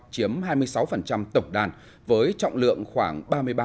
chiếm hai mươi sáu tổng đàn với trọng lượng khoảng ba mươi ba năm trăm linh